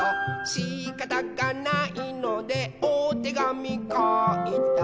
「しかたがないのでおてがみかいた」